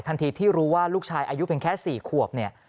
ที่รู้ว่าลูกชายอายุเพียงแค่๔ขวบเนี่ย